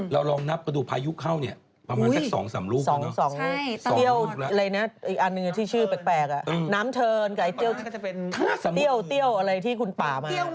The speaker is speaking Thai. เราลองนับกระดูกพายุเข้าเนี่ยประมาณสัก๒๓รูปแล้วเนอะอีกอันนึงที่ชื่อแปลกน้ำเทินกับไอ้เตี้ยวอะไรที่คุณป่ามา